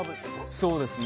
そうですね